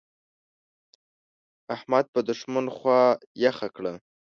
احمد په دوښمن خوا يخه کړه.